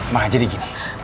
mama jadi gini